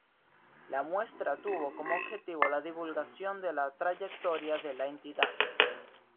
La muestra tuvo como objetivo la divulgación de la trayectoria de la entidad.